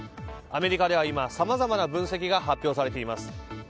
アメリカでは今さまざまな分析が発表されています。